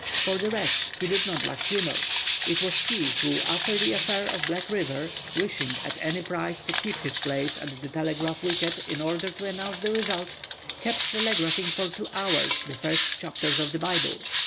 For the rest, he did not lack humor. It was he who, after the affair of Black river, wishing at any price to keep his place at the telegraph wicket in order to announce the result, kept telegraphing for two hours the first chapters of the Bible.